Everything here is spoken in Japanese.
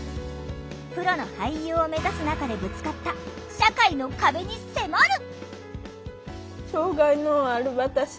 プロの俳優を目指す中でぶつかった「社会の壁」に迫る。